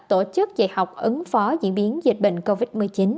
tổ chức dạy học ứng phó diễn biến dịch bệnh covid một mươi chín